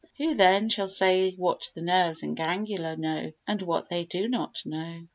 Who, then, shall say what the nerves and ganglia know and what they do not know?